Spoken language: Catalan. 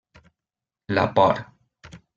La por: